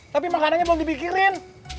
tapi makanannya belum dipikirin